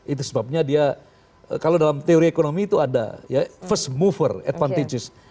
itu sebabnya dia kalau dalam teori ekonomi itu ada ya first mover advantage